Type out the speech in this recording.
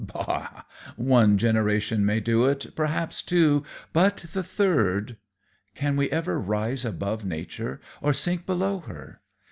Bah! One generation may do it, perhaps two, but the third Can we ever rise above nature or sink below her?